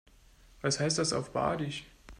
Was heißt das auf Badisch?